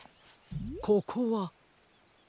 ここは。